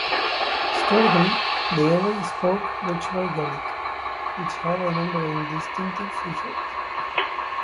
Historically, the area spoke Lochaber Gaelic, which had a number of distinctive features.